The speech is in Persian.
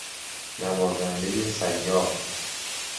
نوازندهی سیار